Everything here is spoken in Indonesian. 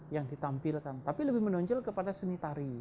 yang ditampilkan tapi lebih menonjol kepada seni tari